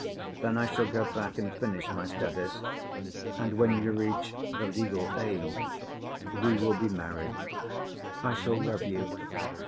Then I shall go back and finish my studies, and when you reach the legal age we will be married. I shall love you.